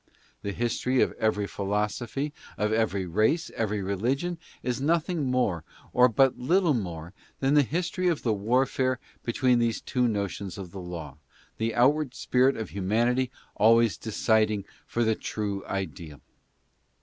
The history of every philosophy, of every race, of every religion, is nothing more, or but little more, than the history of the warfare between these two notions of the Law, the onward spirit of humanity always deciding for the true ideal.